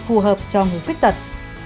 phù hợp cho người khuyết tật